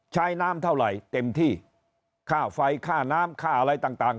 ใช้น้ำเท่าไหร่เต็มที่ค่าไฟค่าน้ำค่าอะไรต่างต่าง